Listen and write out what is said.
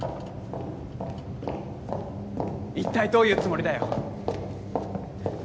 一体どういうつもりだよ！